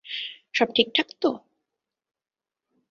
সব ঠিকঠাক তো?